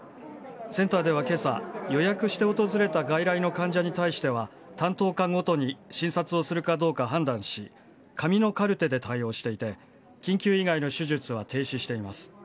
センターではけさ、予約して訪れた外来の患者に対しては、担当科ごとに診察をするかどうか判断し、紙のカルテで対応していて、緊急以外の手術は停止しています。